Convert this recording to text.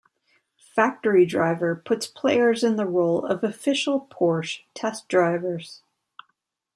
Factory Driver puts players in the role of official Porsche test drivers.